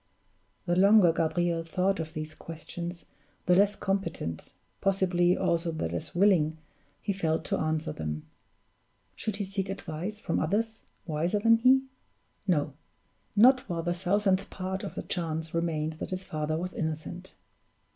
The longer Gabriel thought of these questions, the less competent possibly also the less willing he felt to answer them. Should he seek advice from others wiser than he? No; not while the thousandth part of a chance remained that his father was innocent.